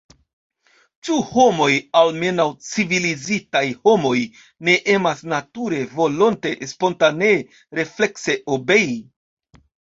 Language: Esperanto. Ĉu homoj – almenaŭ, civilizitaj homoj – ne emas nature, volonte, spontanee, reflekse obei?